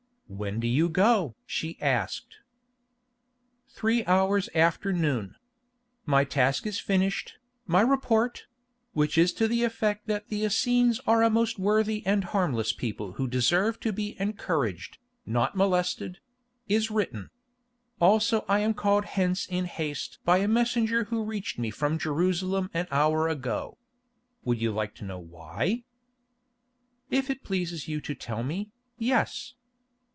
"When do you go?" she asked. "Three hours after noon. My task is finished, my report—which is to the effect that the Essenes are a most worthy and harmless people who deserve to be encouraged, not molested—is written. Also I am called hence in haste by a messenger who reached me from Jerusalem an hour ago. Would you like to know why?" "If it pleases you to tell me, yes."